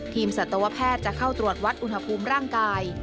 สัตวแพทย์จะเข้าตรวจวัดอุณหภูมิร่างกาย